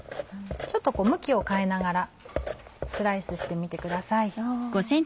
ちょっと向きを変えながらスライスしてみてください。